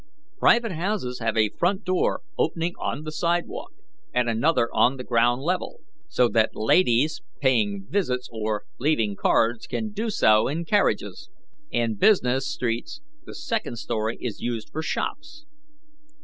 Private houses have a front door opening on the sidewalk, and another on the ground level, so that ladies paying visits or leaving cards can do so in carriages. In business streets the second story is used for shops.